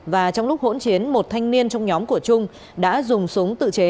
và trong lúc hỗn chiến một thanh niên trong nhóm của trung đã dùng súng tự chế